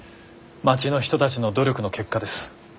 町の人たちの努力の結果です。